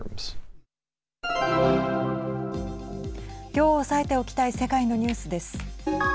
きょう、押さえておきたい世界のニュースです。